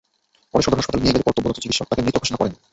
পরে সদর হাসপাতালে নিয়ে গেলে কর্তব্যরত চিকিৎসক তাঁকে মৃত ঘোষণা করেন।